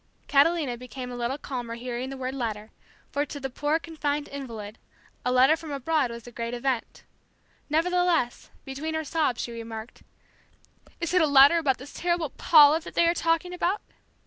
Catalina became a little calmer hearing the word "letter," for, to the poor confined invalid, a letter from abroad was a great event. Nevertheless, between her sobs she remarked, "Is it a letter about this terrible 'Paula' that they are talking about?"